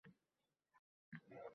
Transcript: Shoirlar shoxlarga bulmish hamhona